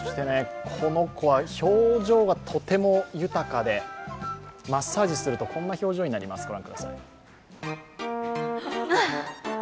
この子は表情がとても豊かでマッサージするとこんな表情になります。